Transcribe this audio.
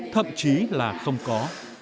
thậm chí là không có